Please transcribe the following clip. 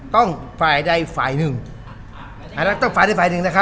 ต้องฝ่ายได้ฝ่ายหนึ่งต้องฝ่ายได้ฝ่ายหนึ่งนะครับ